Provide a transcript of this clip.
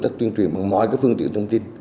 tất tuyên truyền bằng mọi phương tiện thông tin